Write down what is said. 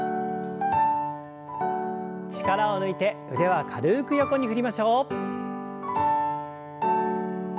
力を抜いて腕は軽く横に振りましょう。